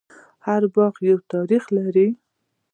هر باغ یو تاریخ لري.